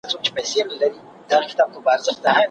اسلام د عقیدې په ازاد انتخاب ټینګار کوي.